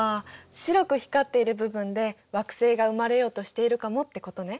白く光っている部分で惑星が生まれようとしているかもってことね。